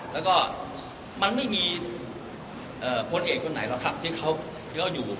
แล้วก็มันไม่มีพลเอกคนไหนหรอกครับที่เขาเยอะอยู่